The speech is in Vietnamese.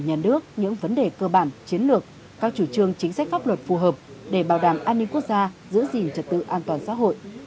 nhà nước những vấn đề cơ bản chiến lược các chủ trương chính sách pháp luật phù hợp để bảo đảm an ninh quốc gia giữ gìn trật tự an toàn xã hội